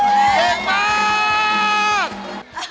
เก่งมาก